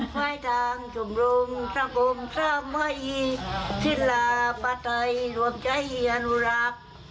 ไฟทางชมรมจำมชาไมจิ๋นละป่าไทยรวมใจอนุรัก